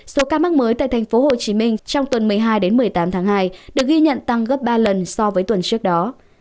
số ca mắc mới tại tp hcm trong tuần một mươi hai một mươi tám tháng hai được ghi nhận tăng gấp ba lần so với tuần trước đó